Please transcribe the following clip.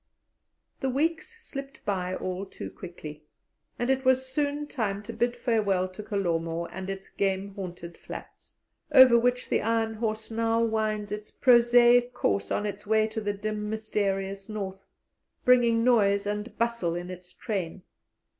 The weeks slipped by all too quickly, and it was soon time to bid farewell to Kalomo and its game haunted flats, over which the iron horse now winds its prosaic course on its way to the dim, mysterious North, bringing noise and bustle in its train.